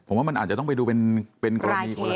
ผมว่ามันอาจจะต้องไปดูเป็นกรณีคนละ